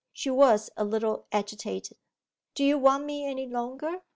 She was a little agitated. 'Do you want me any longer?